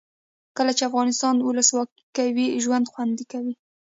کله چې افغانستان کې ولسواکي وي ژوند خوند کوي.